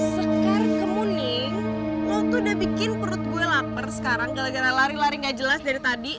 scan kemuning lo tuh udah bikin perut gue lapar sekarang gara gara lari lari gak jelas dari tadi